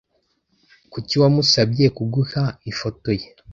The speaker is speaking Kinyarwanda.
Kuki wamusabye kuguha ifoto ye?